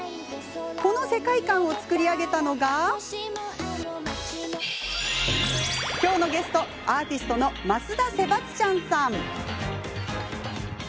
この世界観を作り上げたのが今日のゲスト、アーティストの増田セバスチャンさん。